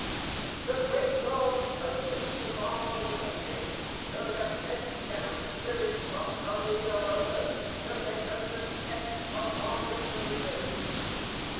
The great God has loosed the Bars of the Pit, so that many damned Spirits are come in among us, to make us repent of our Misdemeanours.